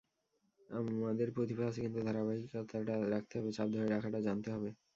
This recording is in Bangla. আমাদের প্রতিভা আছে, কিন্তু ধারাবাহিকতাটা রাখতে হবে, চাপ ধরে রাখাটা জানতে হবে।